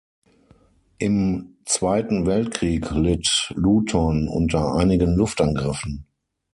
Im Zweiten Weltkrieg litt Luton unter einigen Luftangriffen.